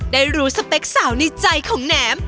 ได้รู้สเปคสาวในใจของแหนม